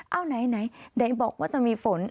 เอาไหนไหนบอกว่าจะมีฝน